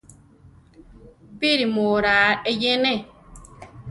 ¿Píri mu oraa eyene?